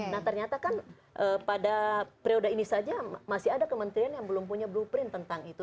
nah ternyata kan pada periode ini saja masih ada kementerian yang belum punya blueprint tentang itu